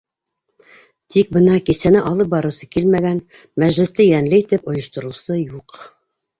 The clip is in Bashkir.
Тик бына кисәне алып барыусы килмәгән, мәжлесте йәнле итеп ойоштороусы юҡ.